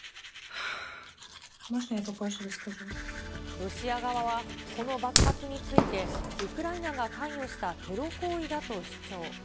ロシア側は、この爆発について、ウクライナが関与したテロ行為だと主張。